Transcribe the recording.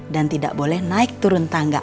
dan tidak boleh naik turun tangga